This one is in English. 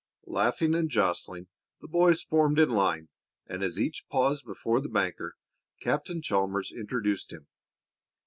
Laughing and jostling, the boys formed in line, and as each paused before the banker, Captain Chalmers introduced him.